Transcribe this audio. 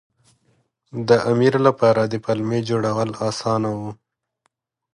د امیر لپاره د پلمې جوړول اسانه وو.